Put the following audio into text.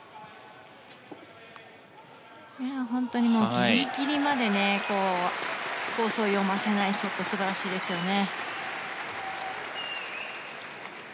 ギリギリまでコースを読ませないショット素晴らしいですよね。